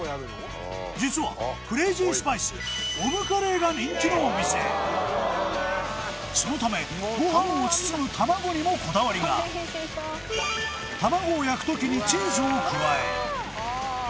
実はクレイジースパイスオムカレーが人気のお店そのためご飯を包む卵にもこだわりが卵を焼く時にチーズを加え